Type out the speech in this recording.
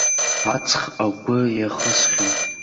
Аҵх агәы иахысхьан.